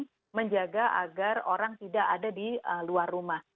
kita menjaga agar orang tidak ada di luar rumah